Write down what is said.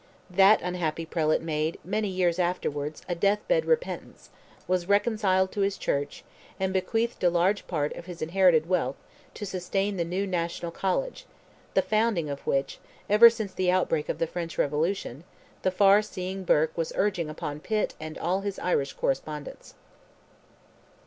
That unhappy prelate made, many years afterwards, a death bed repentance, was reconciled to his church, and bequeathed a large part of his inherited wealth to sustain the new national college, the founding of which, ever since the outbreak of the French revolution, the far seeing Burke was urging upon Pitt and all his Irish correspondents.